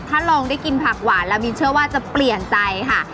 ถ้าลองได้กินผักหวานแล้วมินเชื่อว่าจะเปลี่ยนใจค่ะ